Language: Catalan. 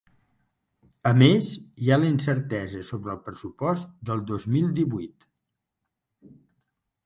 A més, hi ha la incertesa sobre el pressupost del dos mil divuit.